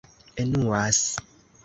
enuas